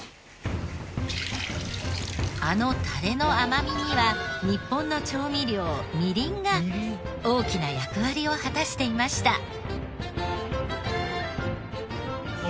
あのタレの甘みには日本の調味料みりんが大きな役割を果たしていました。